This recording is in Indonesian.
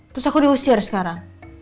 terus aku diusir sekarang